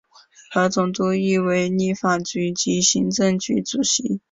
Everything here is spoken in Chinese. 而总督亦为立法局及行政局主席。